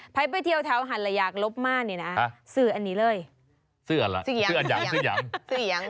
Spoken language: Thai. ไปไปเที่ยวแถวหันระยากลบม่านเนี้ยนะซื้ออันนี้เลยซื้ออันยัง